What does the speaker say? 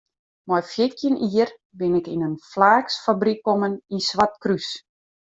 Mei fjirtjin jier bin ik yn in flaaksfabryk kommen yn Swartkrús.